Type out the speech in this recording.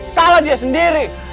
salah dia sendiri